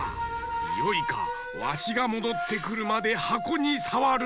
よいかわしがもどってくるまではこにさわるなよ。